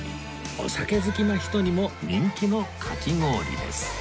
お酒好きな人にも人気のかき氷です